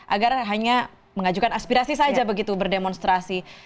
agar hanya mengajukan aspirasi saja begitu berdemonstrasi